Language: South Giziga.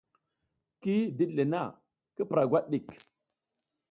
Ki diɗ le na, ki pura gwat ɗik !